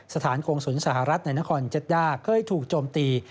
สถานกงศูนย์สหรัฐในนครเจ็ดด้าเคยถูกโจมตี